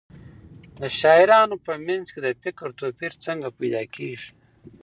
د شاعرانو په منځ کې د فکر توپیر څنګه پیدا کېږي؟